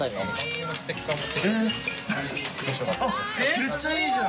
めっちゃいいじゃん！